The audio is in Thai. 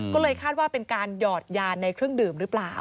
ก็เลยคาดว่าเป็นการหยอดยานในเครื่องดื่มหรือเปล่า